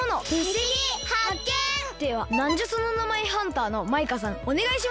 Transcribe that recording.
ではなんじゃその名前ハンターのマイカさんおねがいします。